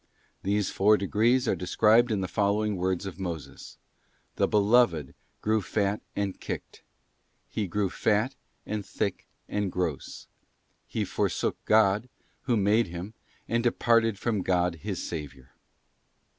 These four degrees are described in the following | words of Moses :—' The beloved grew fat and kicked; he grew fat, and thick, and gross; he forsook God, who made him, and departed from God his Saviour.